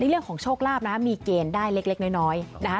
เรื่องของโชคลาภนะมีเกณฑ์ได้เล็กน้อยนะคะ